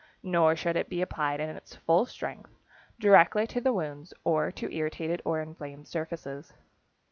Nor should it be applied in its full strength directly to the wounds or to irritated or inflamed surfaces.